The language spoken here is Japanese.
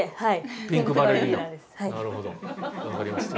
なるほど分かりました。